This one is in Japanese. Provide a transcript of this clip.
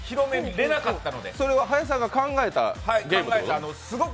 それは林さんが考えたゲーム？